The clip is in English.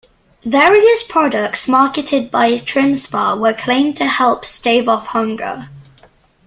Various products marketed by TrimSpa were claimed to help "stave off hunger".